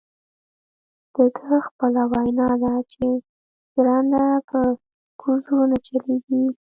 دده خپله وینا ده چې ژرنده په کوزو نه چلیږي.